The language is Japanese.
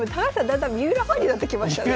だんだん三浦ファンになってきましたね。